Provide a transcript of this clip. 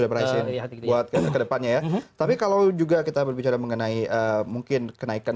in operasi berhasil buat kedepannya ya tapi kalau juga kita berbicara mengenai mungkin kenaikan